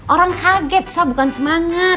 orang kaget sah bukan semangat